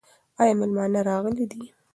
ایا مېلمانه راغلي دي؟